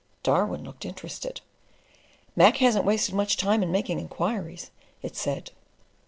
Darwin looked interested. "Mac hasn't wasted much time in making inquiries," it said.